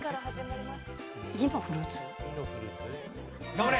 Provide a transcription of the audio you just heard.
頑張れ！